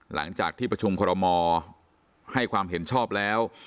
หลังจากที่ประชุมคอรมอให้ความเห็นชอบแล้ว